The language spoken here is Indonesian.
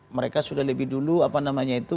mereka sudah lebih dulu apa namanya itu